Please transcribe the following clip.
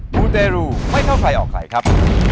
มูเตรูไม่เข้าใครออกใครครับ